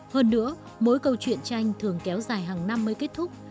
hơn nữa mỗi câu chuyện tranh thường kéo dài hàng năm mới kết thúc